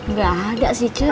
nggak ada sih cuk